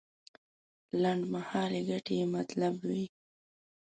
لنډمهالې ګټې یې مطلب وي.